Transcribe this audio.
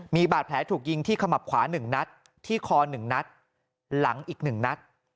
มีบาดแผลถูกยิงที่ขมับขวา๑นัดที่คอ๑นัดหลังอีก๑นัด